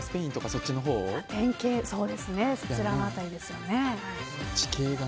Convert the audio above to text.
そうですねそちらの辺りですよね。